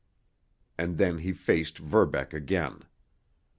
And then he faced Verbeck again.